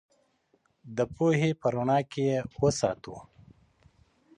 د پوهې په رڼا کې یې وساتو.